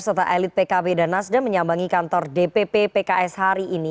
serta elit pkb dan nasdem menyambangi kantor dpp pks hari ini